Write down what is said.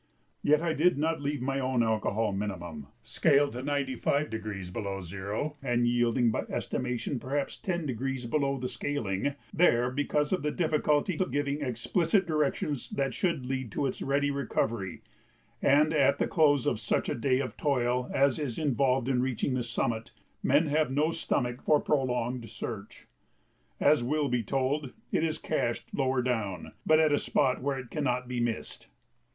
Yet I did not leave my own alcohol minimum scaled to 95° below zero, and yielding, by estimation, perhaps ten degrees below the scaling there, because of the difficulty of giving explicit directions that should lead to its ready recovery, and at the close of such a day of toil as is involved in reaching the summit, men have no stomach for prolonged search. As will be told, it is cached lower down, but at a spot where it cannot be missed.